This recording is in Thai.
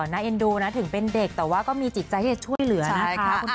เอ็นดูนะถึงเป็นเด็กแต่ว่าก็มีจิตใจที่จะช่วยเหลือนะคะ